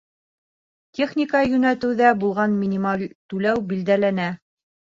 Техника йүнәтеүҙә булғанда минималь түләү билдәләнә.